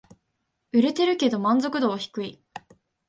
売れてるけど満足度は低い